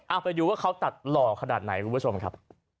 เอาไปดูว่าเขาตัดหล่อขนาดไหนคุณผู้ชมครับ